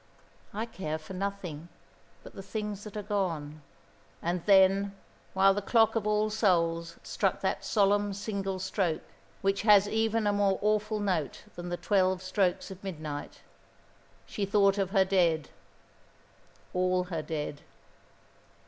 I care for nothing but the things that are gone." And then, while the clock of All Souls struck that solemn single stroke which has even a more awful note than the twelve strokes of midnight, she thought of her dead all her dead.